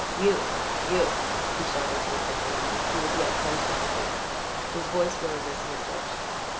"You you!" he shouted to the cripple when he was yet ten strides away. His voice rose as he approached.